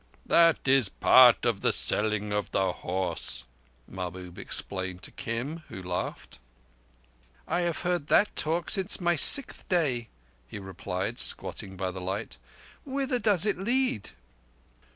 "That is part of the selling of the horse," Mahbub explained to Kim, who laughed. "I have heard that talk since my Sixth Day," he replied, squatting by the light. "Whither does it lead?"